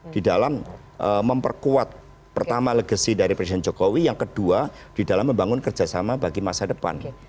di dalam memperkuat pertama legacy dari presiden jokowi yang kedua di dalam membangun kerjasama bagi masa depan